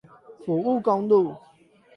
埔霧公路